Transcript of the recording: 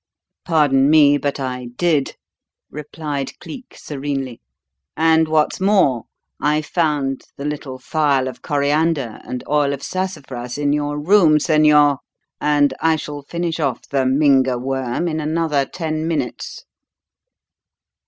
"Pardon me, but I did," replied Cleek serenely. "And what's more, I found the little phial of coriander and oil of sassafras in your room, señor, and I shall finish off the Mynga Worm in another ten minutes!"